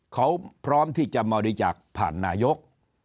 เขาพร้อมที่จะบริจาคผ่านนายก